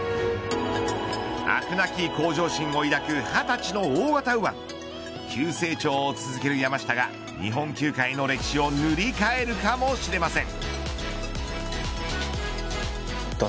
飽くなき向上心を抱く２０歳の大型右腕急成長を続ける山下が日本球界の歴史を塗り替えるかもしれません。